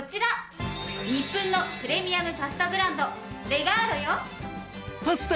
ニップンのプレミアムパスタブランドＲＥＧＡＬＯよ。